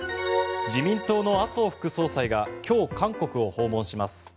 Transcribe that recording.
自民党の麻生副総裁が今日、韓国を訪問します。